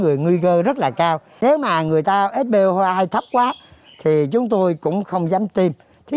người nguy cơ rất là cao nếu mà người ta spo hay thấp quá thì chúng tôi cũng không dám tìm thí